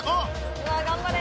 うわっ頑張れ！